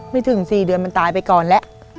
ไม่ถึง๔เดือนมันตายไปก่อนแล้ว